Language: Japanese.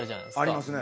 ありますね。